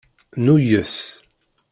Nuyes.